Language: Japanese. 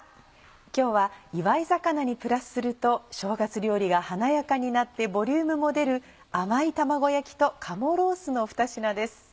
今日は祝い肴にプラスすると正月料理が華やかになってボリュームも出る甘い「卵焼き」と「鴨ロース」のふた品です。